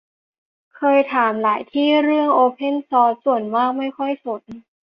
เคยถามหลายที่เรื่องโอเพนซอร์ส ส่วนมากไม่ค่อยสน